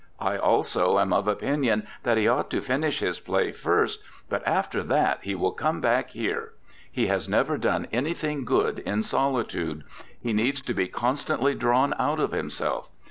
I also am of opinion that he ought to finish his play first, but after that he will come back here. He has never done anything good in solitude; he needs to be constantly drawn out of himself.